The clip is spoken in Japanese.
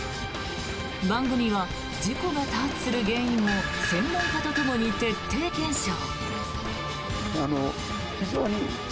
番組は事故が多発する原因を専門家とともに徹底検証。